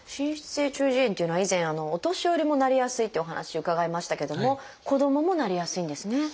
滲出性中耳炎っていうのは以前お年寄りもなりやすいっていうお話伺いましたけども子どももなりやすいんですね。